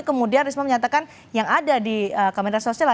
kemudian risma menyatakan yang ada di kementerian sosial